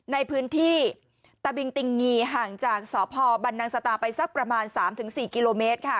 ในพื้นที่ตะบิงติงงีห่างจากสพบันนังสตาไปสักประมาณ๓๔กิโลเมตรค่ะ